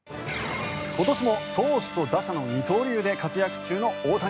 今年も投手と打者の二刀流で活躍中の大谷。